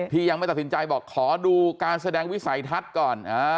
ที่ยังไม่ตัดสินใจบอกขอดูการแสดงวิสัยทัศน์ก่อน